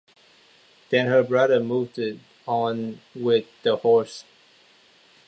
Then her brother moved on with the horse.